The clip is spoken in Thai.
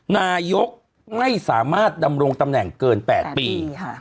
นายกไม่สามารถดำรงตำแหน่งเกิน๘ปี